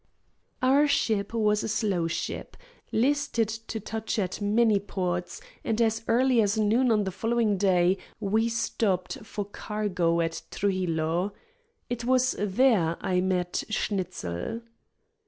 Our ship was a slow ship, listed to touch at many ports, and as early as noon on the following day we stopped for cargo at Trujillo. It was there I met Schnitzel.